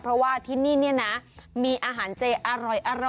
เพราะว่าที่นี่มีอาหารเจอร้อย